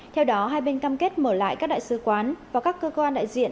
theo đó hai bên cam kết mở lại các đại sứ quán và các cơ quan đại diện